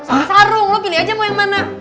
sambil sarung lo pilih aja mau yang mana